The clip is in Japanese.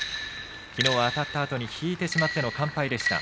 きのう、あたったあとに引いてしまっての完敗でした。